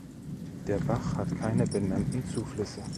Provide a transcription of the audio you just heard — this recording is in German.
Der Bach hat keine benannten Zuflüsse.